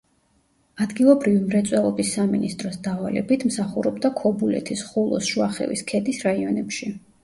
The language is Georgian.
ადგილობრივი მრეწველობის სამინისტროს დავალებით მსახურობდა ქობულეთის, ხულოს, შუახევის, ქედის რაიონებში.